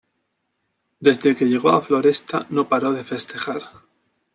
Desde que llegó a Floresta no paró de festejar.